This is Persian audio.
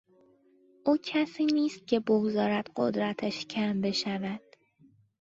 او کسی نیست که بگذارد قدرتش کم بشود.